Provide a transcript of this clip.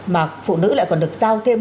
mà phụ nữ lại còn được giao thêm